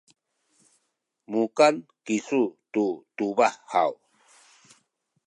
mukan kisu tu tubah haw?